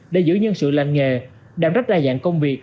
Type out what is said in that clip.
để giữ nhân sự lành nghề đảm rất đa dạng công việc